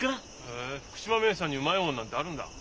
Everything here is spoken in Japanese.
へえ福島名産にうまいもんなんてあるんだ？